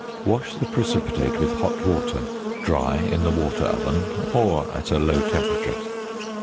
Wash the precipitate with hot water, dry in the water oven or at a low temperature.